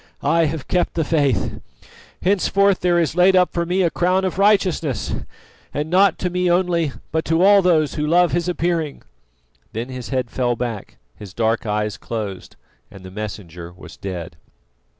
I have kept the faith! Henceforth there is laid up for me a crown of righteousness ... and not to me only, but to all those who love His appearing." Then his head fell back, his dark eyes closed, and the Messenger was dead.